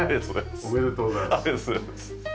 ありがとうございます。